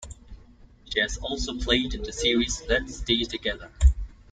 She has also played in the series "Let's Stay Together".